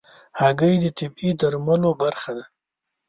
هګۍ د طبيعي درملو برخه ده.